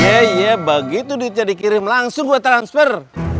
yeye begitu dicari kirim langsung gue transfer